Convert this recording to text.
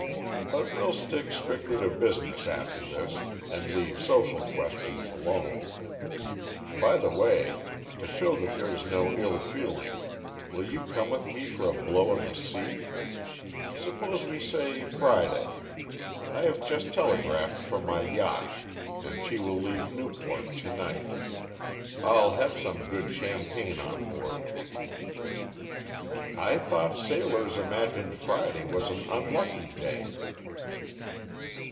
But we'll stick strictly to business after this, and leave social questions alone. By the way, to show that there is no ill feeling, will you come with me for a blow on the sea? Suppose we say Friday. I have just telegraphed for my yacht, and she will leave Newport to night. I'll have some good champagne on board." "I thought sailors imagined Friday was an unlucky day!"